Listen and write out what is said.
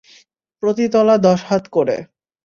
প্রতি তলা দশ হাত করে।